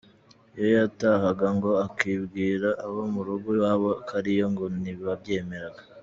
Iyo yatahaga ngo akabwira abo mu rugo iwabo ko ariye ngo ntibabyemeraga.